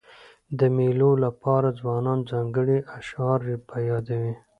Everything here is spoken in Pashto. د مېلو له پاره ځوانان ځانګړي اشعار په یادوي.